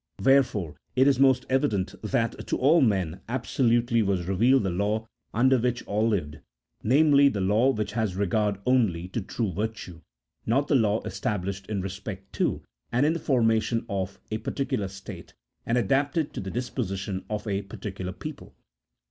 Wherefore it is most evident that to all men absolutely was revealed the law under which all lived — namely, the law which has regard only to true virtue, not the law established in respect to, and in the formation of, a par ticular state and adapted to the disposition of a particular people.